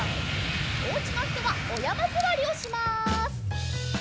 おうちのひとはおやまずわりをします。